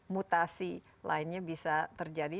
mutasi lainnya bisa terjadi